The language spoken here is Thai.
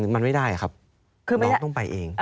มันไม่ได้ครับคือน้องต้องไปเอง